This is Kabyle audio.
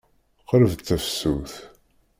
Qrib d tafsut.